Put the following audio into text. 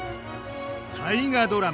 大河ドラマ